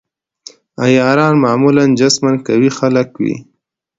عیاران معمولاً جسماً قوي خلک وي.